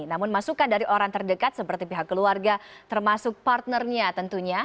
namun masukan dari orang terdekat seperti pihak keluarga termasuk partnernya tentunya